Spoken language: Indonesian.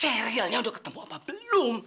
serialnya udah ketemu apa belum